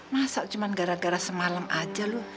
masa cuma gara gara semalam aja lu